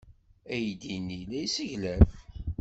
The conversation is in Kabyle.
Aydi-nni la yesseglaf.